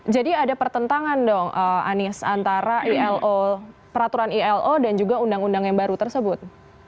jadi ada pertentangan dong anies antara ilo peraturan ilo dan juga undang undang yang baru tersebut